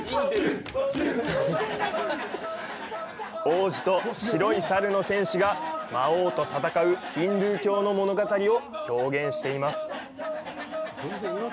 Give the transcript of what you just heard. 王子と白い猿の戦士が魔王と戦うヒンドゥー教の物語を表現しています。